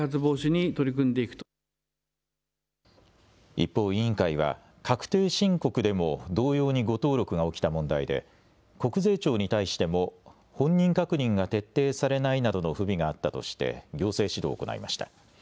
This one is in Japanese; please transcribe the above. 一方、委員会は確定申告でも同様に誤登録が起きた問題で国税庁に対しても本人確認が徹底されないなどの不備があったとして行政指導を行いました。